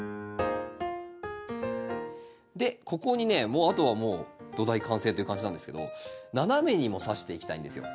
でここにねあとはもう土台完成という感じなんですけど斜めにもさしていきたいんですよ。